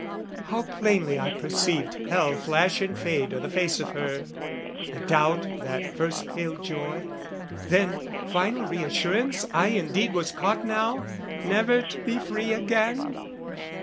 How plainly I perceived hell flash and fade O' the face of her, the doubt that first paled joy, Then, final reassurance I indeed Was caught now, never to be free again!